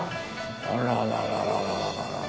あららららららら。